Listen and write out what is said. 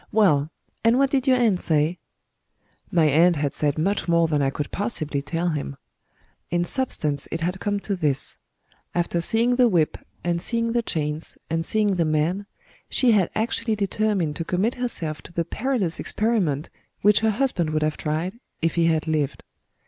Well, and what did your aunt say?" My aunt had said much more than I could possibly tell him. In substance it had come to this: After seeing the whip, and seeing the chains, and seeing the man she had actually determined to commit herself to the perilous experiment which her husband would have tried, if he had lived!